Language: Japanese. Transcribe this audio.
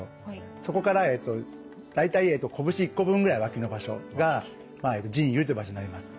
そこから大体こぶし１個分ぐらい脇の場所が腎兪という場所になります。